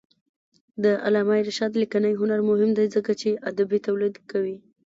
د علامه رشاد لیکنی هنر مهم دی ځکه چې ادبي تولید کوي.